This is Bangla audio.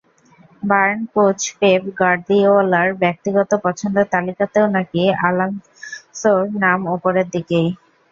বায়ার্ন কোচ পেপ গার্দিওলার ব্যক্তিগত পছন্দের তালিকাতেও নাকি আলোনসোর নাম ওপরের দিকেই।